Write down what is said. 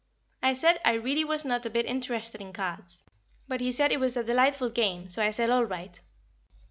I said I really was not a bit interested in cards, but he said it was a delightful game, so I said All right.